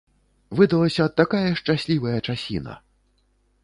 Выдалася такая шчаслівая часіна!